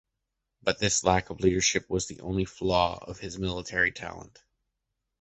But this lack of leadership was the only flaw of his military talent.